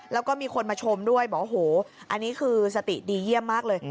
แล้วก็มีคนมาชมด้วยบอกว่าโหอันนี้คือสติดีเยี่ยมมากเลย